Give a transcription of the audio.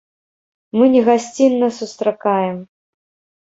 Мы не гасцінна сустракаем.